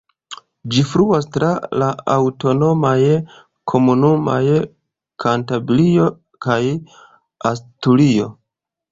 Ĝi fluas tra la aŭtonomaj komunumoj Kantabrio kaj Asturio.